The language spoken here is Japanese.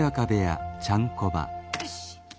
よし！